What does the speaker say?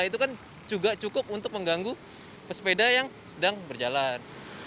itu kan juga cukup untuk mengganggu pesepeda yang sedang berjalan